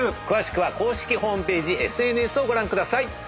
詳しくは公式ホームページＳＮＳをご覧ください。